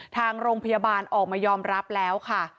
ทางโรงพยาบาลออกมายอมรับแล้วค่ะ